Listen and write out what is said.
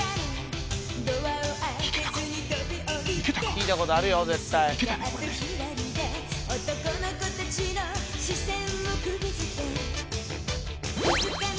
聞いたことあるよ絶対いけたね